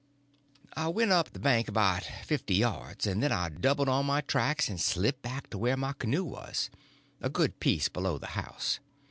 I went up the bank about fifty yards, and then I doubled on my tracks and slipped back to where my canoe was, a good piece below the house.